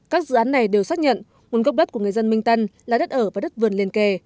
các dự án này đều xác nhận nguồn gốc đất của người dân minh tân là đất ở và đất vườn liên kề